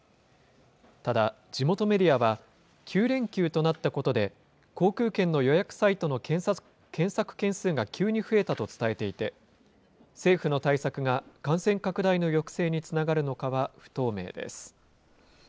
ただ、地元メディアは９連休となったことで、航空券の予約サイトの検索件数が急に増えたと伝えていて、政府の対策が、感染拡大の抑制につながるのかは不透明です。